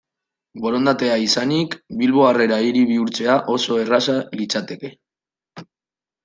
Borondatea izanik, Bilbo Harrera Hiri bihurtzea oso erraza litzateke.